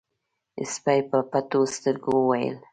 سپي په پټو سترګو وويل: